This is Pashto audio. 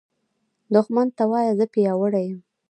دښمن ته وایه “زه پیاوړی یم”